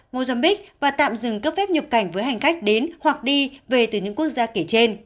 mozambique và tạm dừng cấp phép nhập cảnh với hành khách đến hoặc đi về từ những quốc gia kể trên